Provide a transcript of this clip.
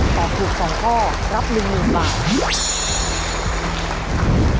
ถอบถูกสองข้อรับหนึ่งลิมบาท